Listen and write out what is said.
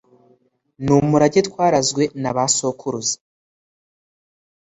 Ni umurage twarazwe n’abasokuruza